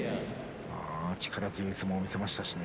力強い相撲を見せましたしね。